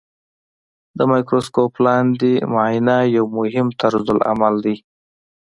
د مایکروسکوپ لاندې معاینه یو مهم طرزالعمل دی.